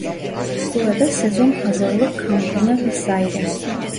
Burada sezon hazırlık kampına vesaire.